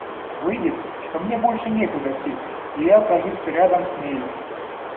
Выйдет, что мне больше некуда сесть, и я окажусь рядом с ней.